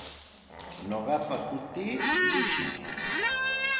Nuqapa hutii Llushim.